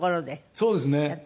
そうですね。